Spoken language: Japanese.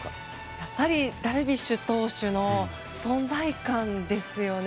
やっぱりダルビッシュ投手の存在感ですよね。